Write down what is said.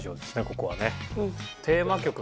ここはね。